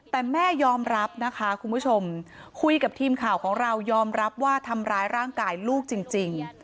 แต่แม่ยอมรับนะคะคุณผู้ชมคุยกับทีมข่าวของเรายอมรับว่าทำร้ายร่างกายลูกจริง